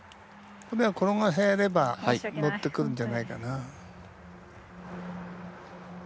これは転がせれば乗ってくるんじゃないかな。